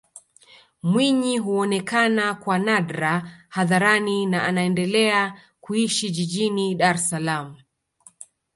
Mwinyi huonekana kwa nadra hadharani na anaendelea kuishi jijini Dar es Salaam